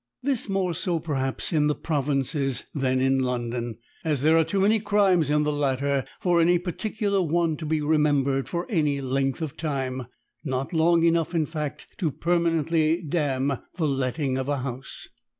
This more so, perhaps, in the provinces than in London, as there are too many crimes in the latter for any particular one to be remembered for any length of time, not long enough in fact to permanently damn the letting of a house.